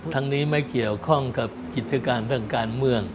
ทั้งนี้ไม่เกี่ยวข้องกับกิจการเรื่องการเมือง